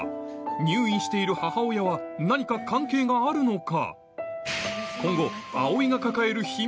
入院している母親は何か関係があるのか？